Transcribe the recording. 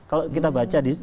kalau kita baca di sini juga